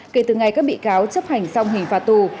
kể từ ngày các bị cáo chấp hành xong hình phạt tù